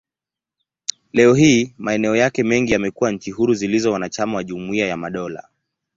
Leo hii, maeneo yake mengi yamekuwa nchi huru zilizo wanachama wa Jumuiya ya Madola.